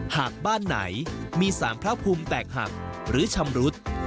หากบ้านไหนมีสารพระภูมิแตกหักหรือชำรุด